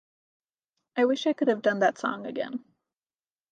I wish I could have done that song again.